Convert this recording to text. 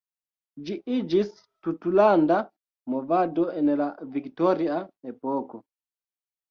Ĝi iĝis tutlanda movado en la Viktoria epoko.